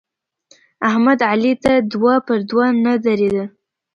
احمد علي ته دوه پر دوه نه درېدل.